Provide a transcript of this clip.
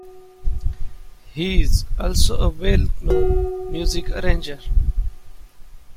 He is also a well-known music arranger.